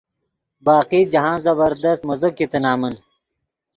باقی جاہند زبردست مزو کیتے نمن۔